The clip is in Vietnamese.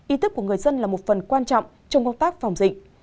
ý thức của người dân là một phần quan trọng trong công tác phòng dịch